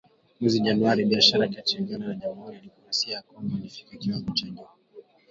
mwezi Januari, biashara kati ya Uganda na Jamhuri ya Kidemokrasia ya Kongo ilifikia kiwango cha juu.